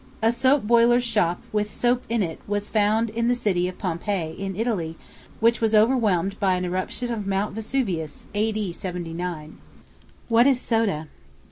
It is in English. A soap boiler's shop, with soap in it, was found in the city of Pompeii, in Italy, which was overwhelmed by an eruption of Mount Vesuvius, A.D. 79. What is Soda?